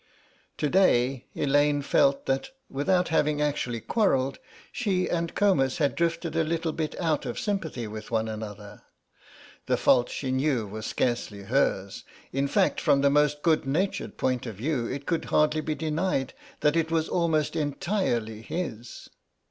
To day Elaine felt that, without having actually quarrelled, she and Comus had drifted a little bit out of sympathy with one another. The fault she knew was scarcely hers, in fact from the most good natured point of view it could hardly be denied that it was almost entirely his.